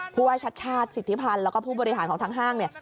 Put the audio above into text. ผู้ว่าชัดชาติสิทธิพันธ์แล้วก็ผู้บริหารของทางห้างเนี่ย